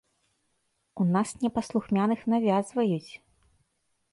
У нас непаслухмяных навязваюць!